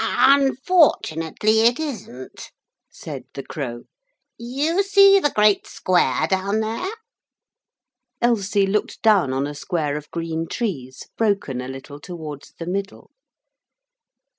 'Unfortunately it isn't,' said the Crow. 'You see the great square down there?' Elsie looked down on a square of green trees, broken a little towards the middle.